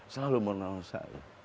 selalu mendoakan saya